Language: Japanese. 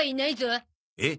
えっ？